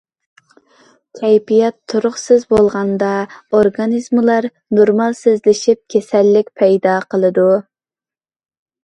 كەيپىيات تۇراقسىز بولغاندا ئورگانىزملار نورمالسىزلىشىپ كېسەللىك پەيدا قىلىدۇ.